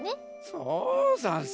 そうざんす。